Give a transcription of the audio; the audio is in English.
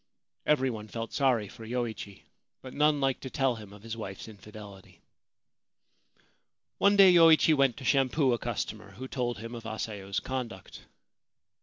Every one felt sorry for Yoichi ; but none liked to tell him of his wife's infidelity. One day Yoichi went to shampoo a customer, who told him of Asayo's conduct.